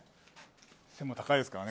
背も高いですからね。